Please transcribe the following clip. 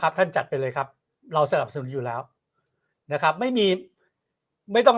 ท่านจัดไปเลยครับเราสนับสนุนอยู่แล้วนะครับไม่มีไม่ต้อง